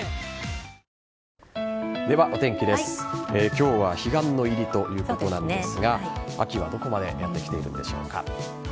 今日は彼岸の入りということなんですが秋はどこまでやってきているのでしょうか。